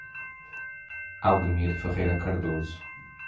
Aldemir Ferreira Cardoso